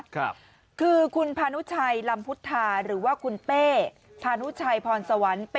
คือคุณพานุชัยลำพุทธาหรือว่าคุณเป้พานุชัยพรสวรรค์